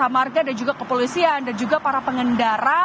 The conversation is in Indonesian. marga dan juga kepolisian dan juga para pengendara